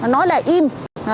nói là im